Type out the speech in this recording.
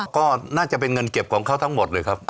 ก็น่าจะเป็นเงินเก็บของเขาทั้งหมดเลยครับ